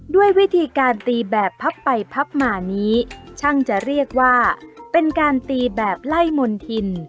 ด้วยวิธีการตีแบบพับไปพับมานี้ช่างจะเรียกว่าเป็นการตีแบบไล่มนธิน